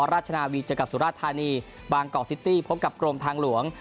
ราชนาวีเจอกับสุราธานีบางกอกซิตี้พบกับกรมทางหลวง